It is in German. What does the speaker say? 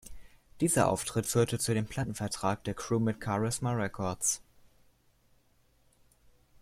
Dieser Auftritt führte zu dem Plattenvertrag der Crew mit Charisma Records.